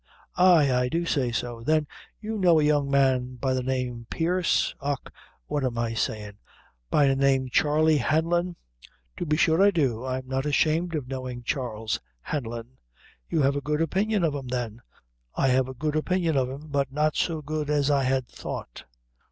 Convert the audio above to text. "Ay, I do say so." "Then you know a young man by name Pierce och, what am I sayin'! by name Charley Hanlon?" "To be sure I do I'm not ashamed of knowin' Charles Hanlon." "You have a good opinion of him, then?" "I have a good opinion of him, but not so good as I had thought."